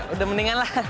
udah mendingan lah